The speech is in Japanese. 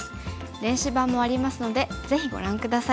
電子版もありますのでぜひご覧下さい。